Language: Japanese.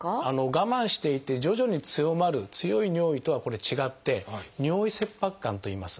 我慢していて徐々に強まる強い尿意とはこれ違って「尿意切迫感」といいます。